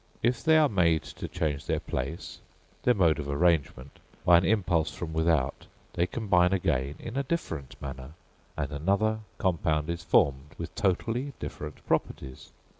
If they are made to change their place their mode of arrangement by an impulse from without, they combine again in a different manner, and another compound is formed with totally different properties.